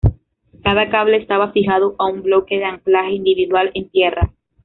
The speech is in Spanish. Cada cable estaba fijado a un bloque de anclaje individual en tierra.